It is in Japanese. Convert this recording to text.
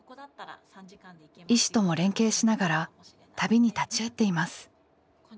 医師とも連携しながら旅に立ち会っています。